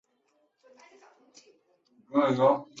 秘鲁草绳桥是印加帝国过峡谷和河流的简单吊索桥。